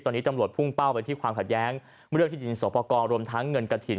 ตอนนี้ตำรวจพุ่งเป้าไปที่ความขัดแย้งเรื่องที่ดินสอบประกอบรวมทั้งเงินกระถิ่น